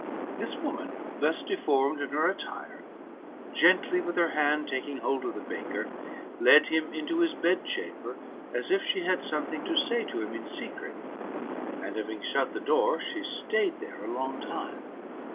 This woman, thus deforn\ed in her attire, gently with her hand taking hold of the baker, led him into his bed chamber, as if she had something to say to him in secret, and having shut the door, she staid there a long time.